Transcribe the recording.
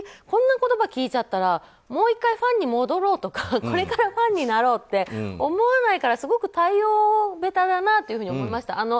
こんな言葉を聞いちゃったらもう１回、ファンに戻ろうとかこれからファンになろうと思えないからすごく対応下手だなと思いました。